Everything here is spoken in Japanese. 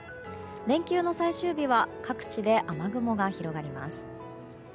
連休の最終日は各地で雨雲が広がります。